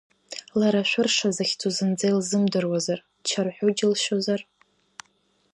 Лара ашәырша захьӡу зынӡа илзымдыруазар, чарҳәу џьылшьозар?!